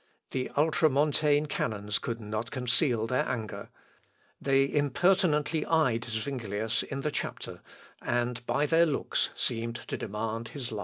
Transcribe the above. The Ultra Montane canons could not conceal their anger. They impertinently eyed Zuinglius in the chapter, and by their looks seemed to demand his life.